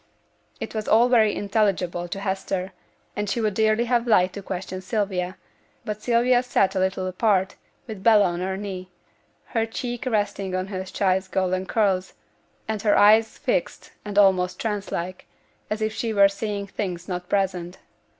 This was all very unintelligible to Hester, and she would dearly have liked to question Sylvia; but Sylvia sate a little apart, with Bella on her knee, her cheek resting on her child's golden curls, and her eyes fixed and almost trance like, as if she were seeing things not present.